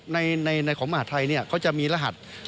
ในของมหาธัยเขาจะมีรหัส